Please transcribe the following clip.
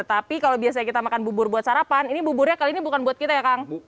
tapi kalau biasanya kita makan bubur buat sarapan ini buburnya kali ini bukan buat kita ya kang